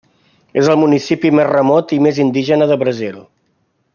És el municipi més remot i el més indígena del Brasil.